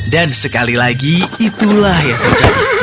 dan sekali lagi itulah yang terjadi